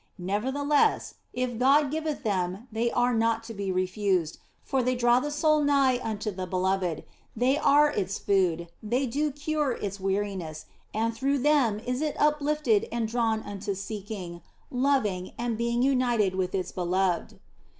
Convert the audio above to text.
Never theless, if God giveth them they are not to be refused, for they draw the soul nigh unto the beloved, they are its food, they do cure its weariness, and through them is it uplifted and drawn unto seeking, loving, and being united with its beloved.